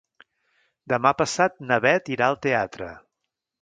Demà passat na Beth irà al teatre.